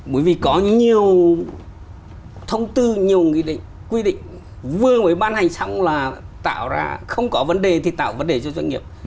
bởi vì có nhiều thông tư nhiều nghị định quy định vừa mới ban hành xong là tạo ra không có vấn đề thì tạo vấn đề cho doanh nghiệp